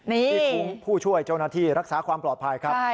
ที่คุ้มผู้ช่วยเจ้าหน้าที่รักษาความปลอดภัยครับ